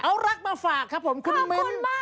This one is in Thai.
เอารักมาฝากครับผมคุณมิ้น